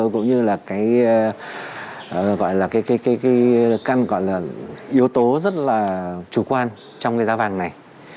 cũng như là cái gọi là cái căn gọi là yếu tố rất là chủ quan trong cái giá vàng này